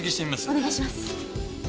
お願いします。